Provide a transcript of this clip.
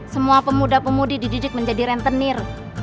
semua pemuda pemudi dididik menjadi rentenir